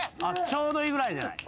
ちょうどいいぐらいじゃない？